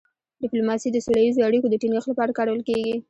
ډيپلوماسي د سوله ییزو اړیکو د ټینګښت لپاره کارول کېږي.